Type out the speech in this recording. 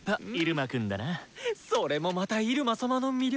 それもまた入間様の魅力！